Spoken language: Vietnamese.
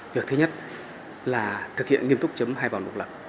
việc thứ nhất là thực hiện nghiêm túc chấm hai vào một lần